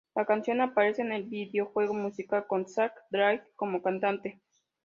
La canción aparece en el videojuego musical con Zakk Wylde como cantante.